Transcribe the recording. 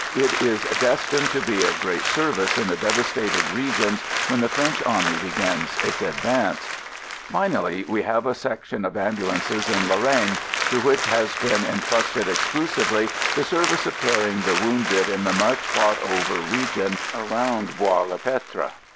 It is destined to be of great service in the devastated regions when the French Army begins its advance. Finally, we have a Section of ambu lances in Lorraine to which has been en trusted exclusively the service of carrying the wounded in the much fought over re gion around Bois le Pretre.